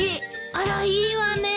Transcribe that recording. あらいいわね。